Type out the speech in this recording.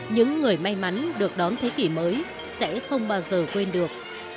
những người may mắn được đón thế kỷ mới sẽ không bao giờ quên được